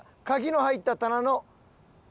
「鍵の入った棚の」